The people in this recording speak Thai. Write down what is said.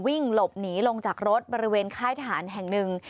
วิ่งหลบหนีลงจากรถบริเวณค่ายทหารแห่งหนึ่ง